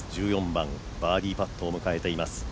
１４番、バーディーパットを迎えています。